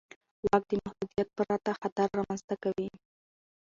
واک د محدودیت پرته خطر رامنځته کوي.